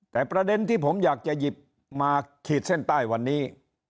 แต่ประเด็นที่ผมอยากจะหยิบมาขีดเส้นใต้วันนี้